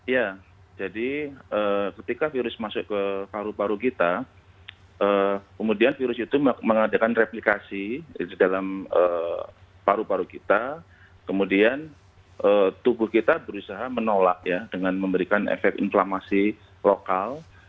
ya jadi ketika virus masuk ke paru paru kita kemudian virus itu mengadakan replikasi di dalam paru paru kita kemudian tubuh kita berusaha menolak ya dengan memberikan efek inflamasi lokal